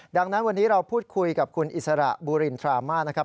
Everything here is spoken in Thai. ดังนั้นวันนี้เราพูดคุยกับคุณอิสระบูรินทรามานะครับ